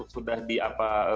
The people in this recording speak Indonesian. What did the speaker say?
sudah di apa